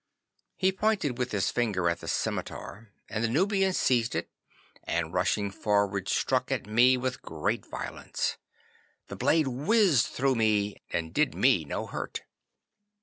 'He pointed with his finger at the scimitar, and the Nubian seized it, and rushing forward struck at me with great violence. The blade whizzed through me, and did me no hurt.